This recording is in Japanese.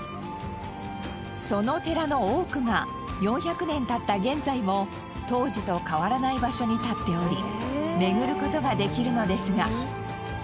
その寺の多くが４００年経った現在も当時と変わらない場所に立っており巡る事ができるのですが。